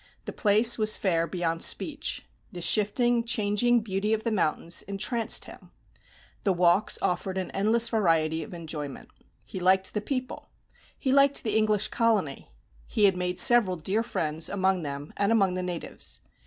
The place was fair beyond speech. The shifting, changing beauty of the mountains entranced him. The walks offered an endless variety of enjoyment. He liked the people. He liked the English colony. He had made several dear friends among them and among the natives.